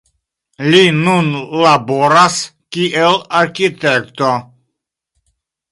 Li nun laboras kiel arkitekto.